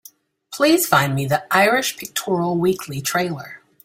Please find me the Irish Pictorial Weekly trailer.